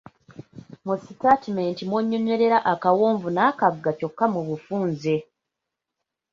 Mu sitaatimenti mw’onnyonnyolera akawonvu n’akagga kyokka mu bufunze.